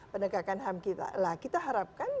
penegakan ham kita nah kita harapkan